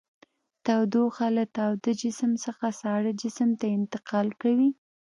تودوخه له تاوده جسم څخه ساړه جسم ته انتقال کوي.